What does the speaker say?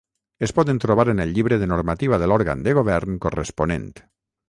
Es poden trobar en el llibre de normativa de l'òrgan de govern corresponent.